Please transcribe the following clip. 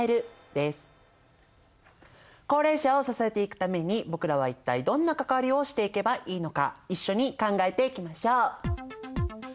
高齢者を支えていくために僕らは一体どんな関わりをしていけばいいのか一緒に考えていきましょう。